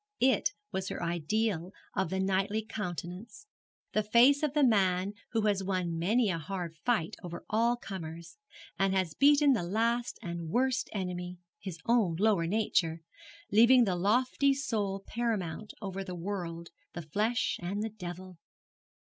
It was her ideal of the knightly countenance, the face of the man who has won many a hard fight over all comers, and has beaten that last and worst enemy, his own lower nature, leaving the lofty soul paramount over the world, the flesh, and the devil.